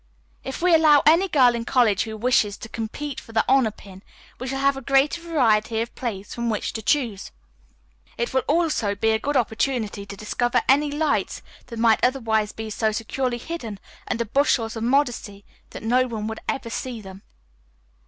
"If we allow any girl in college who wishes to compete for the honor pin we shall have a greater variety of plays from which to choose. It will also be a good opportunity to discover any lights that might otherwise be so securely hidden under bushels of modesty that no one would ever see them.